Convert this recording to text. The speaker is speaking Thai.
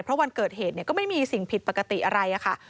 เพราะวันเกิดเหตุก็ไม่มีสิ่งผิดปกติอะไรค่ะ